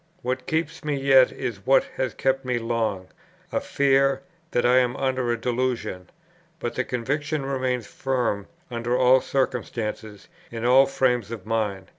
"What keeps me yet is what has kept me long; a fear that I am under a delusion; but the conviction remains firm under all circumstances, in all frames of mind.